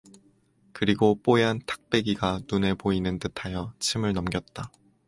그리고 뽀얀 탁배기가 눈에 보이는 듯 하여 침을 넘겼다.